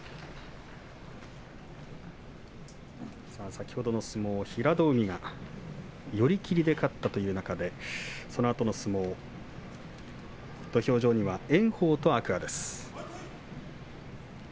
先ほどの相撲、平戸海が寄り切りで勝ったという中でそのあとの相撲土俵上には炎鵬と天空海です。